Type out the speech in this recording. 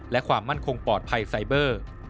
และความมั่นคงปลอดภัยไซเบอร์